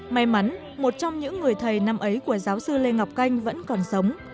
may mắn một trong những người thầy năm ấy của giáo sư lê ngọc canh vẫn còn sống